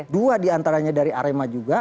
dua diantaranya dari arema juga